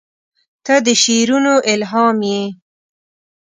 • ته د شعرونو الهام یې.